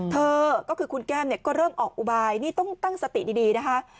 เธอก็คือคุณแก้มเนี่ยก็เริ่มออกอุบายนี่ต้องตั้งสติดีนะคะ